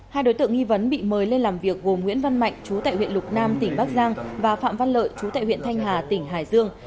hai đối tượng nghi vấn bị mời lên làm việc gồm nguyễn văn mạnh chú tại huyện lục nam tỉnh bắc giang và phạm văn lợi chú tại huyện thanh hà tỉnh hải dương